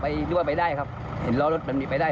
หรือว่าไปได้ครับเห็นล้อรถมันมีไปได้